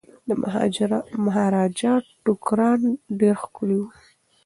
د مهاراجا ټوکران ډیر ښکلي دي.